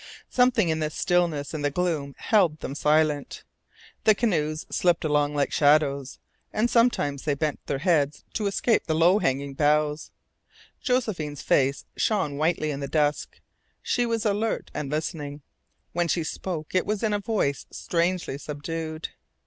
Something in the stillness and the gloom held them silent. The canoes slipped along like shadows, and sometimes they bent their heads to escape the low hanging boughs. Josephine's face shone whitely in the dusk. She was alert and listening. When she spoke it was in a voice strangely subdued.